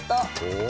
お。